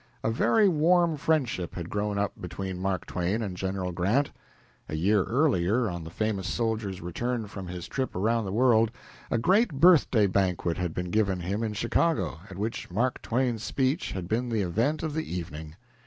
A very warm friendship had grown up between Mark Twain and General Grant. A year earlier, on the famous soldier's return from his trip around the world, a great birthday banquet had been given him in Chicago, at which Mark Twain's speech had been the event of the evening.